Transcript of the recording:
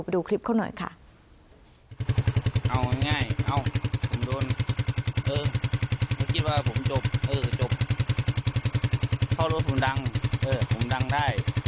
ไปดูคลิปเขาหน่อยค่ะ